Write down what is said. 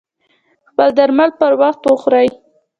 خپل درمل پر وخت وخوری